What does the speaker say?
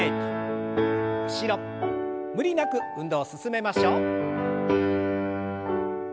無理なく運動を進めましょう。